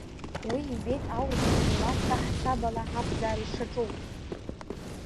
Уи ибеит аурысцәа милаҭк аҳасабала ақәӡаара ишаҿу.